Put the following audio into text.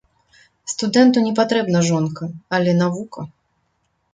Студэнту не патрэбна жонка, але навука.